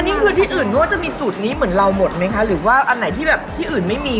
นี่คือที่อื่นเขาว่าจะมีสูตรนี้เหมือนเราหมดไหมคะหรือว่าอันไหนที่แบบที่อื่นไม่มี